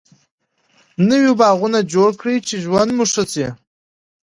نوي باغوانه جوړ کړي چی ژوند مو ښه سي